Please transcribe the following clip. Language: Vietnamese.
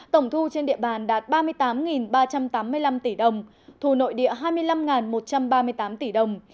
tổng thu trên địa bàn đạt ba mươi tám ba trăm tám mươi năm tỷ đồng thu nội địa hai mươi năm một trăm ba mươi tám tỷ đồng